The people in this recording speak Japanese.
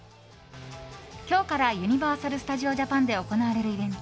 今日からユニバーサル・スタジオ・ジャパンで行われるイベント